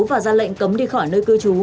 và ra lệnh cấm đi khỏi nơi cư trú